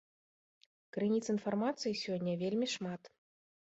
Крыніц інфармацыі сёння вельмі шмат.